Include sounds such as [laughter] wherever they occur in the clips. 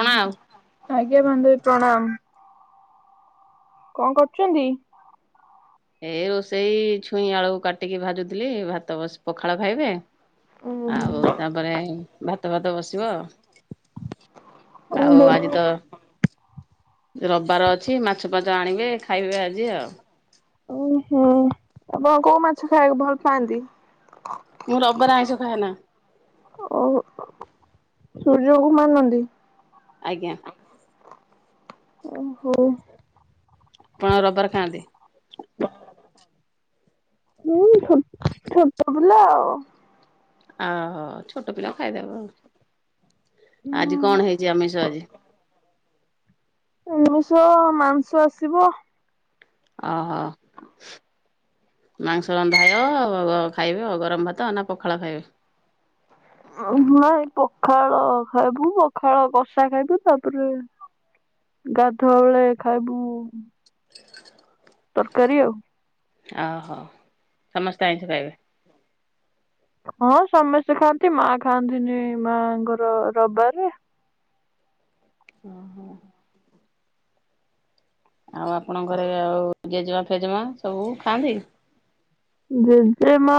କଣ ଆଉ ଆଜ୍ଞା ବନ୍ଧବୀ ପ୍ରଣାମ। କଣ କରୁଛନ୍ତି? ଏଇ ରୋଷେଇ ଛୁଇଁ ଆଳୁକୁ କାଟିକି ଭାଜୁଥିଲି ଭାତ ବ ପଖାଳ ଖାଇବେ। ଆଉ ତାପରେ ଭାତ ଫାତ ବସିବ ଆଉ। ଆଉ ଆଜି ତ ରବବାର ଅଛି ମାଛ ଫାଛ ଆଣିବେ ଖାଇବେ ଆଜି ଆଉ। ଓ ହୁଁ ଆପଣ କୋଉ ମାଛ ଖାଇବାକୁ ଭଲ ପାଆନ୍ତି? ମୁଁ ରବିବାର ଆଇଁଛ ଖାଏନା। ଓ ସୂର୍ଯ୍ୟଙ୍କୁ ମାନନ୍ତି। ଆଜ୍ଞା। ଓ ହୋ। ଆପଣ ରବାର ଖାଆନ୍ତି? ହୁଁ ଛୋ ଛୋଟ ପିଲା ଆଉ। ଆ ହୋ ଛୋଟ ପିଲା ଖାଇ ଦବ । ଆଜି କଣ ହେଇଛି ଆମିଷ ଆଜି? ଆମିଷ ମାସଂ ଆସିବ। ଅ ହ। ମାଂସ ରନ୍ଧାୟ ବାବା ଖାଇବେ ଆ ଗରମ ଭାତ ନା ପଖାଳ ଖାଇବେ? ହଁ ଏଇ ପଖାଳ ଖାଇବୁ ପଖାଳ କଷା ଖାଇବୁ ତାପରେ । ଗାଧୁଆ ବେଳେ ଖାଇବୁ । ତରକାରୀ ଆଉ। ଓହୋ ସମସ୍ତେ ଆଇଁଷ ଖାଇବେ । ହଁ ସମସ୍ତେ ଖାଆନ୍ତି ମା ଖାନ୍ତିନି ମା ଙ୍କର ରବିବାରେ । ଅ ହ। ଆଉ ଆପଣଙ୍କ ଘରେ ଆଉ ଜେଜମା ଫେଜ ମା ସବୁ ଖାଆନ୍ତି। ଜେଜେମା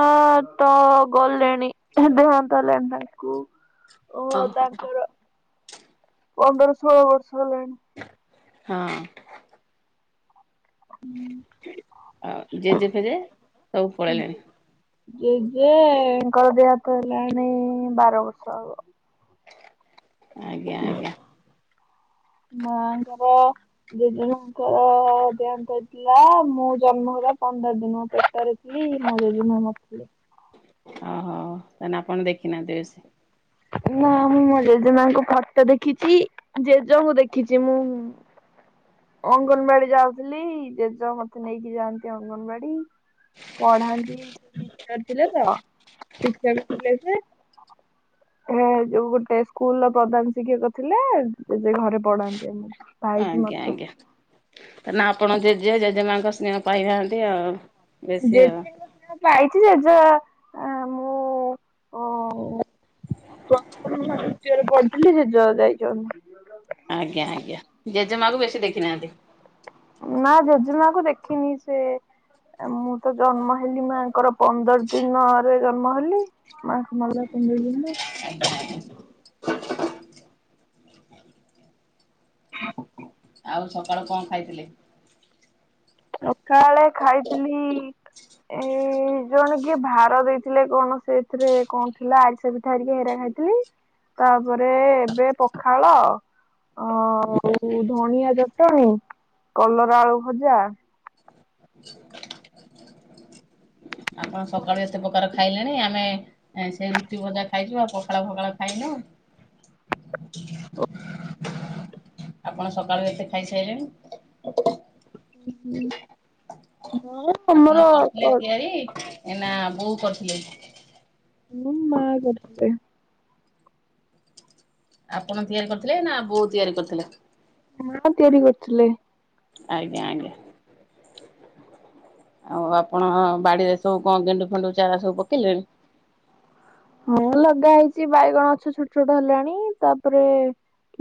ତ ଗଲେଣି ଦେହାନ୍ତ ହେଲେଣି ତାଙ୍କୁ । ଓ ଓହୋ ତାଙ୍କର ପନ୍ଦର ଷୋହଳ ବର୍ଷ ହେଲାଣି। ହଁ। ହୁଁ । ଆଉ ଜେଜେ ଫେଜେ ସବୁ ପଳେଇଲେଣି । ଜେଜେ ଙ୍କର ଦେହାନ୍ତ ହେଲାଣି ବାର ବର୍ଷ ହବ । ଆଜ୍ଞା ଆଜ୍ଞା । ମାଙ୍କର ଜେଜେ ମା ଙ୍କର ଦେହାନ୍ତ ହେଇଥିଲା ମୁଁ ଜନ୍ମ ହେବା ପ ପନ୍ଦର ଦିନ ପେଟରେ ଥିଲି ମୋ ଯେଯେ ମା ମରି ଥୀଲେ ଓହୋ ତାହେଲେ ଆପଣ ଦେଖି ନାହାନ୍ତି ବେଶୀ । ନା ମୁଁ ମୋ ଜେଜେମା ଙ୍କୁ ଫଟୋ ଦେଖିଛି ଜେଜ ଙ୍କୁ ଦେଖିଛି ମୁଁ । ଅଙ୍ଗନବାଡି ଯାଉଥିଲି ଜେଜ ମତେ ନେଇକି ଯାଆନ୍ତି ଅଙ୍ଗନବାଡି । ପଢାନ୍ତି ସେ ଟିଚର ଥିଲେ ତ ଟିଚର ଥିଲେ ଯେ । ସେ ଯୋଉ ଗୋଟେ ସ୍କୁଲର ପ୍ରଧାନ ଶିକ୍ଷକ ଥିଲେ ଜେଜେ ଘରେ ପଢାନ୍ତି ଆମକୁ । ଆଜ୍ଞା ଆଜ୍ଞା ନା ଆପଣ ଜେଜେ ଜେଜେମା ଙ୍କ ସ୍ନେହ ପାଇ ନାହାନ୍ତି ଆଉ । ଜେଜେ ଙ୍କଠୁ ପାଇଛି ଜେଜେ ମୁଁ । ମୁଁ ଚତୁର୍ଥ ନା ତୃତୀୟ ରେ ପଢ଼ୁଥିଲି ଜେଜ ଯାଇଚନ୍ତି । ଆଜ୍ଞା ଆଜ୍ଞା ଜେଜେମାକୁ ବେଶୀ ଦେଖିନାହାନ୍ତି । ନା ଜେଜେମା କୁ ଦେଖିନି ସେ ମୁଁ । ତ ଜନ୍ମ ହେଲି ମାଙ୍କର ପନ୍ଦର ଦିନରେ ଜନ୍ମ ହେଲି ମାଙ୍କ ମଲା ପନ୍ଦର ଦିନରେ । ହଁ ଆଉ ସକାଳୁ କଣ ଖାଇଥିଲେ । ସଖାଳୁ ଖାଇଥିଲି ଏ । ସେ ଜଣେ କିଏ ଭାର ଦେଇଥିଲେ କଣ ସେଥିରେ କଣ ଥିଲା ଆରିସା ପିଠା ହେରିକା ସେରା ଖାଇଥିଲି । ତାପରେ ଏବେ ପଖାଳ । ଆଉ ଧଣିଆ ଚଟଣୀ କଲରା ଆଳୁ ଭଜା । ଆପଣ ସକାଳୁ ଏତେ ପ୍ରକାର ଖାଇଲେଣି ଆମେ ସେଇ ରୁଟି ଭଜା ଖାଇଛୁ ଆଉ ପଖାଳ ଫଖାଳ ଖାଇନୁ । ଓ। ଆପଣ ସକାଳୁ ଏତେ ଖାଇସାଇଲେଣି । ହୁ ହୁଁ ନା ଆମର ଆପଣ କରିଥିଲେ କ ତିଆରି । ନା ବୋଉ କରିଥିଲେ । ହୁଁ ମା କରିଥିଲେ । ଆପଣ ତିଆରି କରିଥିଲେ ନା ବୋଉ ତିଆରି କରିଥିଲେ? ମା ତିଆରି କରୁଥିଲେ ଆଜ୍ଞା ଆଜ୍ଞା। ଆଉ ଆପଣ ବାଡିରେ ସବୁ କଣ ଗେଣ୍ଡୁ ଫେଣ୍ଡୁ ଚାରା ସବୁ ପକେଇଲେଣି? ହଁ ଲଗା ହେଇଛି ବାଇଗଣ ଛୋଟ ଛୋଟ ହେଲାଣି ତାପରେ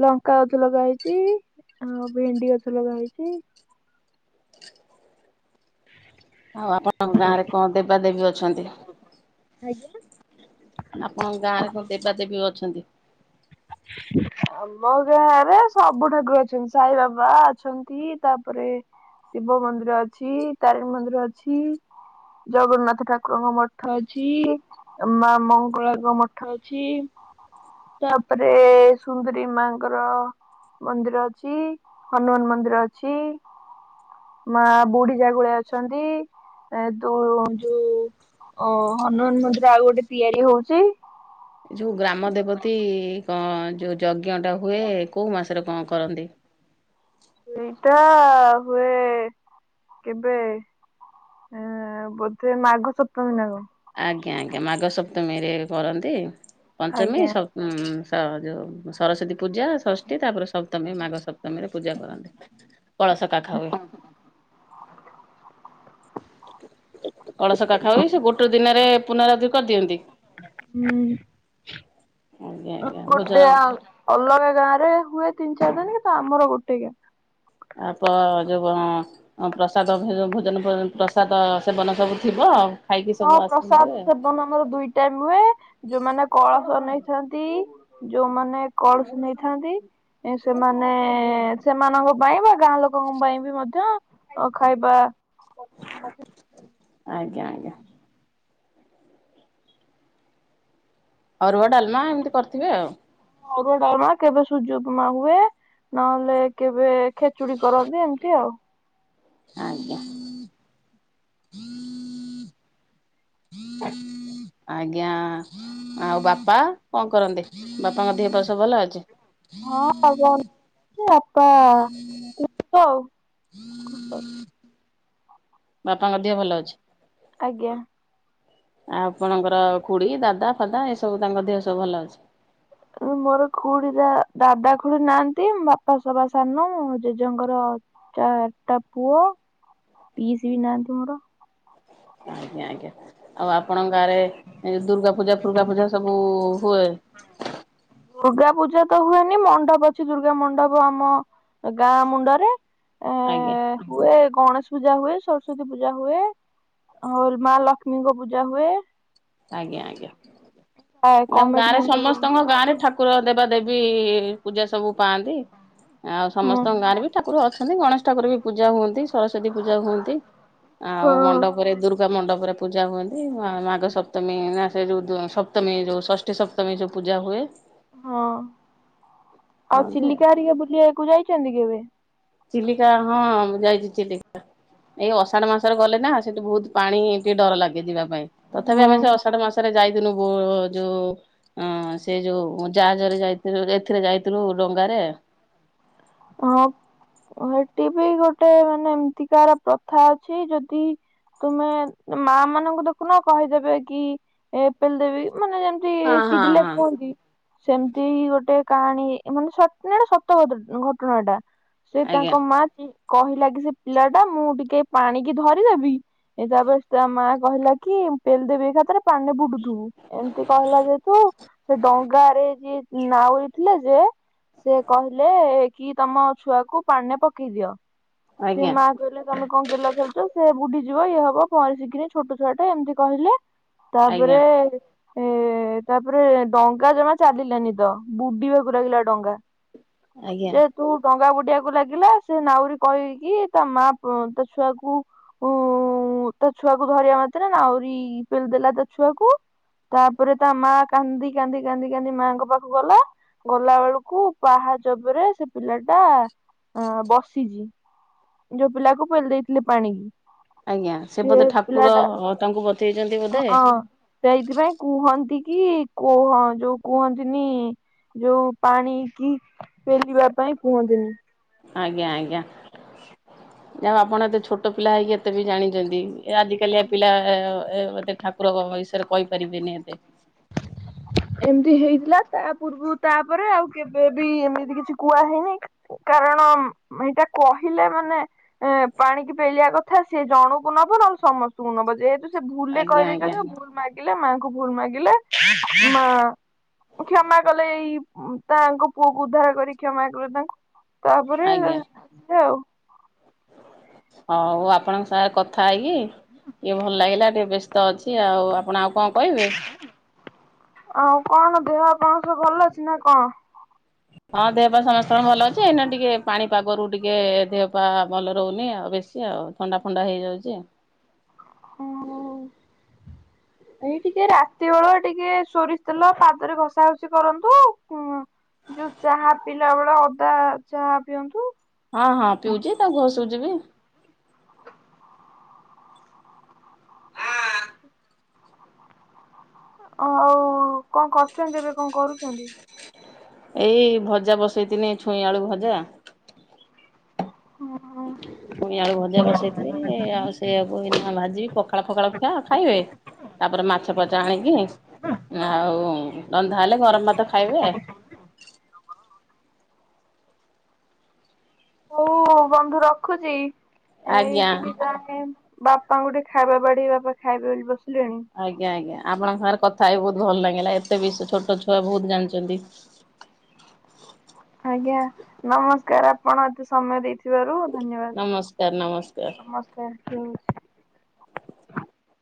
ଲଙ୍କା ଗଛ ଲଗା ହେେଇଛି ଆଉ ଭେଣ୍ଡି ଗଛ ଲଗାହେଇଛି ଆଉ ଆପଣଙ୍କ ଗାଁ ରେ କଣ ଦେବା ଦେେବୀ ଅଛନ୍ତି? ଆଜ୍ଞା। ଆପଣଙ୍କ ଗାଁ ରେ କଣ ଦେବାଦେବୀ ଅଛନ୍ତି? [inaudible] ଆମ ଗାଁ ରେ ସବୁଠାକୁର ଅଛନ୍ତି ସାଇ ବାବା ଅଛନ୍ତି ତାପରେ ଶିବ ମନ୍ଦିର ଅଛି ତାରିଣୀ ମନ୍ଦିର ଅଛି ଜଗନ୍ନାଥ ଠାକୁରଙ୍କ ମଠ ଅଛି ମା ମଙ୍ଗଳାଙ୍କ ମଠ ଅଛି ତାପରେ ସୁନ୍ଦୁରୀ ମାଙ୍କର ମନ୍ଦିର ଅଛି ହନୁମାନ ମନ୍ଦିର ଅଛି ମା ବୁଢୀ ଜାଗୁଲେଇ ଅଛନ୍ତି ଏ ତୋ ଯୋଉ ଅ ହନୁମାନ ମନ୍ଦିର ଆଉ ଗୋଟେ ତିଆରି ହଉଛି ହ ଏ ଯୋଉ ଗ୍ରାମ ଦେବତୀ କଣ ଯୋଉ ଯଜ୍ଞଟା ହୁଏ କୋଉ ମାସରେ କଣ କରନ୍ତି? ଏଇଟା ହୁଏ କେବେ ହଁ ବୋଧେ ମାଘ ସପ୍ତମୀି ନି କଣ। ଆଜ୍ଞା ଆଜ୍ଞା ମାଘ ସପ୍ତମୀରେ କରନ୍ତି ପଞ୍ଚମୀ ଆଜ୍ଞା ଯେଉଁ ସରସ୍ଵତୀ ପୂଜା ଷଷ୍ଠୀ ତାପରେ ସପ୍ତମୀ ମାଘ ସପ୍ତମୀ ରେ ପୂଜା କରନ୍ତି କଳସ କାଖା ହୁଏ। [inaudible] କଳସ କା ଖା ହୁଏ ସେ ଗୋଟେ ଦିନରେ ପୁନରାବୃତ୍ତି କରିଦିଅନ୍ତି ହୁଁ। ଆଜ୍ଞା ଆଜ୍ଞା ଗୋଟେ ଭୋଜନ ଅଲଗା ଗାଁ ରେ ହୁଏ ତିନି ଣ ତ ଆମର ଗୋଟେ। ଆପ ଯୋଉ କ ପ୍ରସାଦ ଭୋଜନ ପ୍ରସାଦ ସେବନ ସବୁ ଥିବ ଆଉ। ଖାଇକି ସବୁ ହଁ ଆସନ୍ତି ପ୍ରସାଦ ଆଉ ସେବନ ଆମର ଦୁଇଟା ହୁଏ ଯୋଉମାନେ କଳସ କସ ନେଇଥାନ୍ତି ଯୋଉମାନେ କଳସ ନେଇଥାନ୍ତି ସେମାନେ ସେମାନଙ୍କ ପାଇଁ ବା ଗାଁ ଲୋକଙ୍କ ପାଇଁ ବି ମଧ୍ୟ ଖାଇବା - [inaudible] ଆଜ୍ଞା ଆଜ୍ଞା। ଅରୁଆ ଡାଲମା ଏମିତି କରିଥିବେ ଆଉ। ଅରୁଆ ଡଲମା କେବେ ସୁୂଜି ଉପମା ହୁଏ ନହେଲେ କେବେ ଖେଚୁଡି କରନ୍ତି ଏମିତି ଆଉ। ଆଜ୍ଞା। ଆଜ୍ଞା ଆଉ ବାପା କଣ କରନ୍ତି ବାପାଙ୍କ ଦେହ ପାହା ସବୁ ଭଲ ଅଛି? ହଁ ଆଉ ବାପା [unintelligible] ବାପାଙ୍କ ଦେହ ଭଲ ଅଛି? ଆଜ୍ଞା। ଆଉ ଆପଣଙ୍କର ଖୁଡି ଦାଦା ଫାଦା ଏସବୁ ତାଙ୍କ ଦେହ ସବୁ ଭଲ ଅଛି? ମୋର ଖୁଡି ଦାଦା ଖୁଡି ନାହାନ୍ତି ବାପା ସେବା ସାନ ମ ଜେଜେଙ୍କର ଚାରିଟା ପୁଅ ପିଷି ବି ନାହାନ୍ତି ମୋର। ଆଜ୍ଞା ଆଜ୍ଞା। ଆଉ ଆପଣଙ୍କ ଗାଁ ରେ ଏ ଦୁର୍ଗା ପୂଜା ଫୁର୍ଗା ପୂଜା ସବୁ ହୁଏ? ଦୁର୍ଗା ପୂଜା ତ ହୁଏନି ମଣ୍ଡପ ଅଛି ଦୁର୍ଗା ମଣ୍ଡପ ଆମ ଗାଁ ମୁଣ୍ଡରେ ଏ ଆଜ୍ଞା। ହୁଏ ଗଣେଶ ପୂଜା ହୁଏ, ସରସ୍ଵତୀ ପୂଜା ହୁଏ, ଆଉ ମା ଲକ୍ଷ୍ମୀଙ୍କ ପୂଜା ହୁଏ। ଆଜ୍ଞା ଆଜ୍ଞା ଆମ କମିଟି ଗାଁରେ ମେମ୍ବର ସମସ୍ତଙ୍କ ଗାଁରେ ଠା ଠାକୁର ଦେବାଦେବୀ ପୂଜା ସବୁ ପାଆନ୍ତି ଆଉ ହଁ ସମସ୍ତଙ୍କ ଗାଁରେ ବି ଠାକୁର ଅଛ ଗଣେଶ ଠାକୁର ବି ପୂଜା ହୁଅନ୍ତି, ସରସ୍ଵତୀ ପୂଜା ହୁଅନ୍ତି, ଆଉ ହଁ। ମଣ୍ଡପରେ ଦୁର୍ଗା ମଣ୍ଡପ୍ ପରେ ପୂଜା ହୁଅନ୍ତି ମା-ମାଙ୍କ ସପ୍ ସପ୍ତମି ନା ସେଇ ଯୋଉ ଦୁ-ସପ୍ତମୀ ଯୋଉ ଷଷ୍ଠୀ ସପ୍ତମୀ ଯୋଉ ପୂଜା ହୁଏ। ହଁ ଆଉ ଚିଲିକା ହରିକା ବୁଲିବାକୁ ଯାଇଚନ୍ତି କେବେ? ଚିଲିକା ହଁ ମୁଁ ଯାଇଚି ଚିଲିକା। ଏଇ ଅଷାଢ଼ ମାସରେ ଗଲେ ନା ସେଠି ବୋହୁତ ପାଣି ଟିକେ ଡର ଲାଗେ ଯିବା ପାଇଁ ତଥାପି ହଁ ଆମେ ସେ ଅଷାଢ ମାସରେ ଯାଇ ଦିନକୁ ଯୋଉ ଅ-ସେ ଯୋଉ ଜାହାଜରେ ଯାଇଥିଲୁ ଯେ ଏଥିରେ ଯାଇଥିଲୁ ଡଙ୍ଗାରେ। ଏ ଓହୋ ହେଟି ବି ଗୋଟେ ମାନେ ଏମତିକାର ପ୍ରଥା ଅଛି ଯଦି ତୁମେ ମାଆମାନଙ୍କୁ ଦେଖୁନ କହିଦେବେ କି ଏ ପେଲଦେବି ମାନେ ଯେମତି ହଁ ହଁ ଚିଡିଲେ ହଁ କୁହନ୍ତି। ସେମତି ହିଁ ଗୋଟେ କାହାଣୀ ଏ-ମାନେ ସତ୍-ନା ଏଟା ସତ ଘତ-ଘଟଣାଟା। ସେ ଆଜ୍ଞା ତାଙ୍କ ମାଆ ଚି-କହିଲା କି ସେ ପିଲାଟା ମୁଁ ଟିକେ ପାଣିକି ଧରିଦେବି ଏ ତାପରେ ତା ମାଆ କହିଲା କି ଏମ୍-ପେଲଦେବି ଏକାଥରେ ପାଣିରେ ବୁଡୁଥୁବୁ ଏମତି କହିଲା ଯେହେତୁ ସେ ଡଙ୍ଗାରେ ଯିଏ ନାଉରୀ ଥିଲେ ଯେ ସେ କହିଲେ ଏଇ କି ତମ ଛୁଆକୁ ପାଣିରେ ପକେଇଦିଅ। ସେ ଆଜ୍ଞା ମାଆ କହିଲେ ତମେ କଣ ଗେଲ ଖେଳୁଚ ସେ ବୁଡିଯି ଯିବ ଇଏ ହବ ପହଁରି ଶିଖିନି ଛୋଟ ଛୁଆଟା ଏମତି କହିଲେ ଆଜ୍ଞା ତାପରେ ଏ ତାପରେ ଡଙ୍ଗା ଜମା ଚାଲିଲାନି ତ ବୁଡିବାକୁ ଲାଗିଲା ଡଙ୍ଗା। ଆଜ୍ଞା। ଯେ ତୁ ଡଙ୍ଗା ବୁଡ଼ି ବାକୁ ଲାଗିଲା ସେ ନାଉରୀ କହିକି ତା ମାଆ ପ-ତା ଛୁଆକୁ ଉ ତା ଛୁଆକୁ ଧରିବା ମାତ୍ରେ ନାଉରୀ ପେଲିଦେଲା ତା ଛୁଆକୁ ତାପରେ ତା ମାଆ କାନ୍ଦିକାନ୍ଦି କାନ୍ଦିକାନ୍ଦି ମାଆଙ୍କ ପାଖକୁ ଗଲା ଗଲା ବେଳକୁ ପାହାଚ ଉପରେ ସେ ପିଲାଟା ଅ-ବସିଚି ଯୋଉ ପିଲାକୁ ପେଲି ଦେଇଥିଲେ ପାଣିିକି। ଆଜ୍ଞା ସେ ବୋଧେ ଠାକୁର ତାଙ୍କୁ ବଞ୍ଚେଇଚନ୍ତି ବୋଧେ। ହଁ ସେଇଥିପାଇଁ କୁହନ୍ତି କି କୁହ ଯୋଉ କୁହନ୍ତିନି ଯୋଉ ପାଣି କି ଫେଲିବା ପାଇଁ କୁହନ୍ତିନି ଆଜ୍ଞା ଆଜ୍ଞା ଯାହାହୋଉ ଆପଣ ଏତେ ଛୋଟ ପିଲା ହେଇକି ଏତେ ବି ଜାଣିଚନ୍ତି। ଏ ଆଜିିକାଲିଆ ପିଲା ଆ-ଏତେ ଠାକୁରଙ୍କ ବିଷୟରେ କହିପାରିବେନି ଏତେ। ହ [unintelligible] ଏମତି ହେଇଥିଲା ତା ପୂର୍ବରୁ ତାପରେ ଆଉ କେବେ ବି ଏମିତି କିଛି କୁହାହୋଉନି କାରଣ ଅମ୍ ଏଇଟା କହିଲେ ମାନେ ପାଣିକି ପେଲିବା କଥା ସିଏ ଜଣକୁ ନବ ନହେଲେ ସମ ସମସ୍ତଙ୍କୁ ନବ ଯେହେତୁ ସେ ଭୁଲରେ ଆଜ୍ଞା ଆଜ୍ଞା କହିଦେଇଚନ୍ତି ଭୁଲ ମାଗିଲେ ମାଆଙ୍କୁ ଭୁଲ ମାଗିଲେ ମା ଆଉ କ୍ଷମା କଲେ ଏଇ ଉଁ-ତାଙ୍କ ପୁଅକୁ ଉଦ୍ଧାର କରି କ୍ଷମାକଲେ ତାଙ୍କୁ ତାପରେ ଆଜ୍ଞା ସେ ଆଉ ହ [unintelligible] ହୋଉ ଆପଣଙ୍କ ସାଙ୍ଗରେ କଥାହେଇକି ଟିକେ ଭଲ ଲାଗିଲା ଟିକେ ବ୍ୟସ୍ତ ଅଛି ଆଉ ଆପଣ ଆଉ କଣ କହିବେ? ଆଉ କଣ ଦେହ ପାଆ ସବୁ ଭଲଅଛି ନା କଣ? ହଁ ଦେହପା ସମସ୍ତଙ୍କର ଭଲଅଛି ଏଇନା ଟିକେ ପାଣି ପାଗରୁ ଟିକେ ଦେହପା ଭଲ ରହୁନି ଆ ବେଶୀ ଆଉ ଥଣ୍ଡା ଫଣ୍ଡା ହେଇଯାଉଚି। ହଁ ଆଉ ଏଇ ଟିକେ ରାତି ବେଳେ ଟିକେ ସୋରିଷ ତେଲ ପାଦରେ ଘସାଘସି କରନ୍ତୁ କୁଁ ଯୋଉ ଚାହା ପିଇଲା ବେଳ ଅଦା ଚାହା ପିଅନ୍ତୁ। ହଁ-ହଁ ପିଉଛି ତାକୁ ଘସୁଛିବି। ଆଉ କଣ କରୁଛନ୍ତି ଏବେ କଣ କରୁଛନ୍ତି? ଏଇ ଭଜା ବସେଇଥିଲି ଛୁଇଁ ଆଳୁ ଭଜା। ହୁଁ-ହୁଁ। ପୁଣି ଆଳୁ ଭଜା ବସେଇଥିଲି ଆଉ ସେଆକୁ ଭାଜିବି ପଖାଳ ଫଖାଳ ଖିଆ ଖାଇବେ। ତାପରେ ମାଛ ଫାଛ ଆଣିକି ଆଉ ରନ୍ଧା ହେଲେ ଗରମ ଭାତ ଖାଇବେ। ହଁ [unintelligible] ହଉ ବନ୍ଧୁ ରଖୁଛି ଏଇ ଆଜ୍ଞା। ଟିକେ ଯାହେ ବାପାଙ୍କୁ ଟିକେ ଖାଇବା ବାଡି ବାପା ଖାଇବେ ବୋଲି ବ ଆଜ୍ଞା-ଆଜ୍ଞା ଆପଣଙ୍କ ସାଙ୍ଗରେ କଥା ଥାଇ ବହୁତ ଭଲ ଲାଗିଲା ଏତେ ବି ଛୋଟ ଛୁଆ ବହୁତ ଜାଣିଛନ୍ତି। ଆଜ୍ଞା ନମସ୍କାର ଆପଣ ଏତେ ସମୟ ଦେଇଥିବାରୁ। ନମସ୍କାର ନମସ୍କାର। ଧନ୍ୟବାଦ ନମସ୍କାର।